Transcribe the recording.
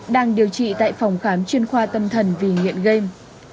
đang điều trị tại phòng khám chuyên khoa tâm thần vì nghiện game